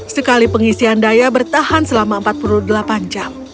sekali pengisian daya bertahan selama empat puluh delapan jam